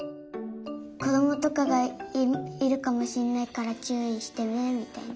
こどもとかがいるかもしれないからちゅういしてねみたいな。